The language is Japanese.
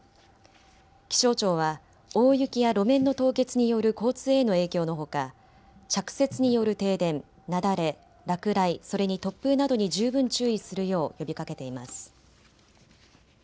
気象庁は大雪や路面の凍結による交通への影響のほか着雪による停電、雪崩、落雷、それに突風などに十分注意するよう呼びかけています。